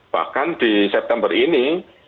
bahkan di september ini